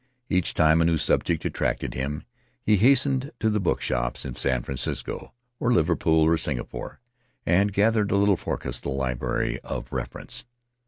Each time a new subject attracted him he hastened to the book shops of San Francisco, or Liverpool, or Singapore, and gathered a little forecastle library of reference.